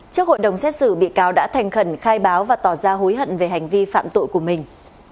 trước hội đồng xét xử bị cáo đã thành khẩn khai báo và tỏ ra hối hận về hành vi phạm tội của mình